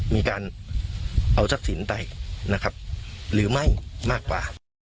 มีการเอาศักดิ์สินใจหรือไม่มากกว่า